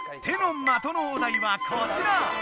「手」の的のお題はこちら！